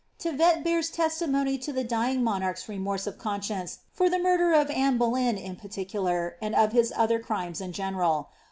^ Th^vet bears testimony to the dying MMiarch's remorse of conscience for the murder of Anne Boleyn, in Articular, and of his other crimes in general.